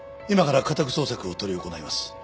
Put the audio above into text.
今から家宅捜索を執り行います。